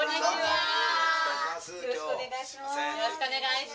よろしくお願いします。